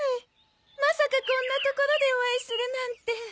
まさかこんなところでお会いするなんて。